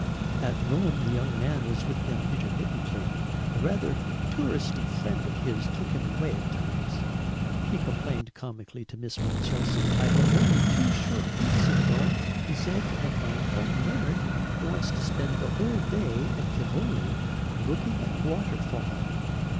At Rome the young man was with them intermittently. A rather "touristy" friend of his took him away at times. He complained comically to Miss Winchelsea. "I have only two short weeks in Rome," he said, "and my friend Leonard wants to spend a whole day at Tivoli, looking at a waterfall."